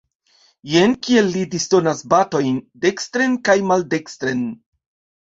Jen kiel li disdonas batojn dekstren kaj maldekstren!